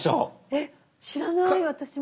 えっ知らない私も。